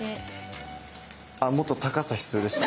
あもっと高さ必要でした？